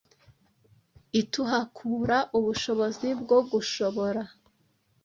i tuhakura ubushobozi bwo gushobora